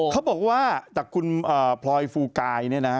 เขาบอกว่าจากคุณพลอยฟูกายเนี่ยนะ